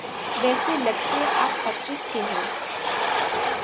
ویسے لگتے آپ پچیس کے ہیں۔